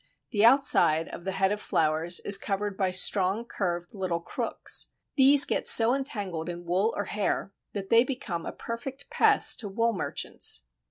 The outside of the head of flowers is covered by strong curved little crooks. These get so entangled in wool or hair that they become a perfect pest to wool merchants.